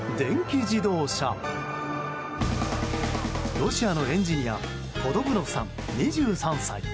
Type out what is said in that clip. ロシアのエンジニアポドブノフさん、２３歳。